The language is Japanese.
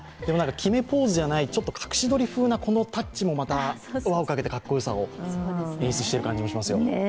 決めポーズじゃない、隠し撮り風なタッチも輪を掛けてかっこよさを演出している感じがしますよ。